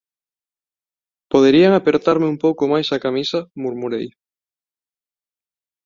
Poderían apertarme un pouco máis a camisa? −murmurei−.